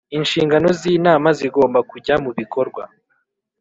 inshingano z inama zigomba kujya mu bikorwa